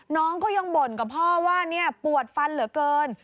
น้องก็ยังบ่นกับพ่อว่าปวดฟันเหลือเกิน